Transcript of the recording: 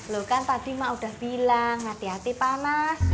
lo kan tadi mbak udah bilang hati hati panas